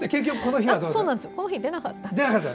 ただ、この日は出なかったんですよね。